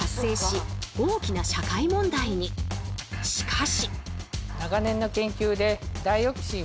しかし。